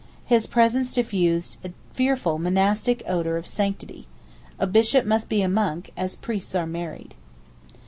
His presence diffused a fearful monastic odour of sanctity. A Bishop must be a monk, as priests are married.